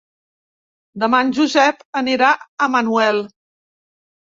Demà en Josep anirà a Manuel.